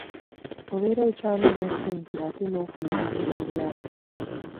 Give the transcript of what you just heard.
Obeera okyanoonya ssente ate n'ofuna obuzibu obulala.